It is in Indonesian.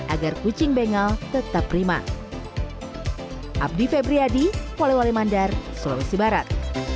agar kucing bengal tetap prima abdi febriadi wali wali mandar sulawesi barat